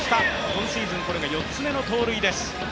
今シーズンこれが４つ目の盗塁です